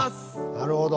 なるほど。